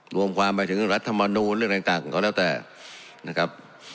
รวมความไปถึงรัฐมนูลเรื่องอะไรต่างก็แล้วแต่นะครับ